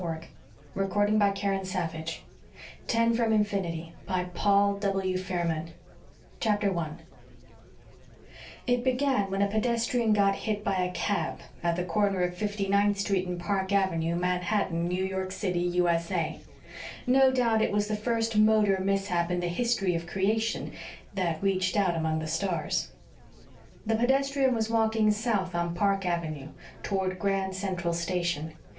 Printed in the United States of America All Rights Reserved 1 It began when a pedestrian got hit by a cab at the corner of 59th Street and Park Avenue, Manhattan, New York City, U.S.A. No doubt it was the first motor mishap in the history of creation that reached out among the stars. The pedestrian was walking south on Park Avenue, toward Grand Central Station.